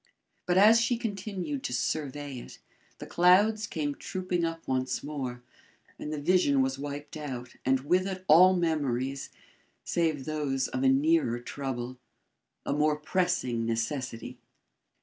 But as she continued to survey it, the clouds came trooping up once more, and the vision was wiped out and with it all memories save those of a nearer trouble a more pressing necessity.